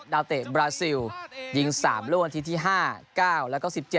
ดาวเตะบราซิลยิงสามร่วงทีที่๕๙แล้วก็๑๗